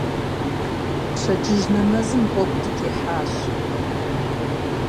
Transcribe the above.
Пщэдджыжь нэмэзым гъуэгу дытехьащ.